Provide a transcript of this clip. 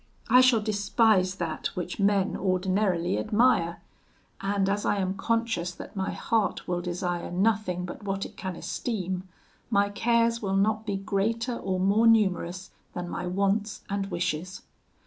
I shall despise that which men ordinarily admire; and as I am conscious that my heart will desire nothing but what it can esteem, my cares will not be greater or more numerous than my wants and wishes.'